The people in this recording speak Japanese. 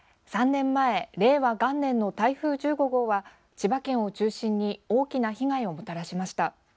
３年前、令和元年の台風１５号は千葉県を中心に大きな被害をもたらしました。